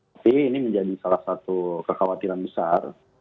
tapi ini menjadi salah satu kekhawatiran besar